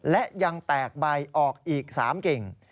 และยังแตกใบออกอีก๓กิ่ง